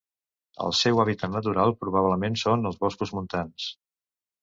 El seu hàbitat natural probablement són els boscos montans.